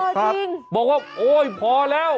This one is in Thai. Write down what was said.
จริงบอกว่าโอ๊ยพอแล้ว